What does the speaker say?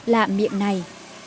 là miệng này